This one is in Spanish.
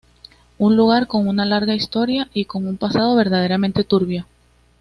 Un lugar con una larga historia y con un pasado verdaderamente turbio.